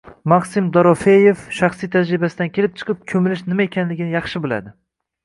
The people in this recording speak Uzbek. Maksim Dorofeyev shaxsiy tajribasidan kelib chiqib, “ko‘milish” nima ekanini yaxshi biladi